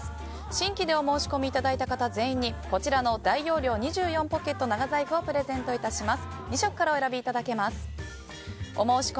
新規でお申し込みいただいた方全員に大容量２４ポケット長財布をプレゼントいたします。